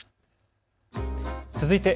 続いて＃